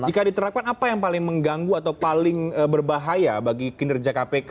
jika diterapkan apa yang paling mengganggu atau paling berbahaya bagi kinerja kpk